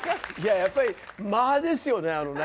やっぱり間ですよねあのね。